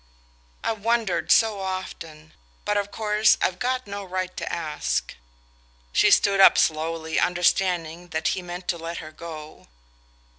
"I've wondered so often but of course I've got no right to ask." She stood up slowly, understanding that he meant to let her go.